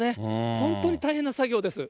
本当に大変な作業です。